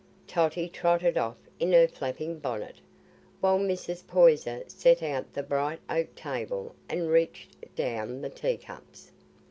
Totty trotted off in her flapping bonnet, while Mrs. Poyser set out the bright oak table and reached down the tea cups.